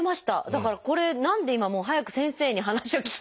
だからこれ何で今もう早く先生に話を聞きたくって。